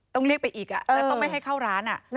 ต้องเรียกไปอีกแล้วต้องไม่ให้เข้าร้าน